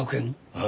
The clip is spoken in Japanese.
ああ。